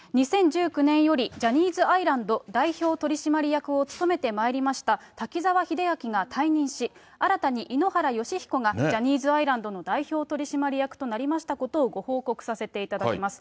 ２０１９年よりジャニーズアイランド代表取締役を務めてまいりました滝沢秀明が退任し、新たに井ノ原快彦がジャニーズアイランドの代表取締役となりましたことをご報告させていただきます。